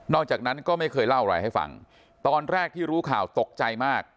จากนั้นก็ไม่เคยเล่าอะไรให้ฟังตอนแรกที่รู้ข่าวตกใจมาก